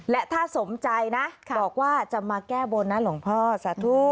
และถ้าสมใจนะบอกว่าจะมาแก้บนนะหลวงพ่อสาธุ